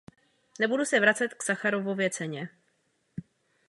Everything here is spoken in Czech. Nebudu se vracet k Sacharovově ceně.